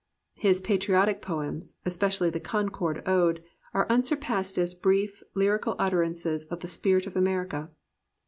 His patriotic poems, especially the Concord Ode, are un surpassed as brief, lyrical utterances of the spirit of America.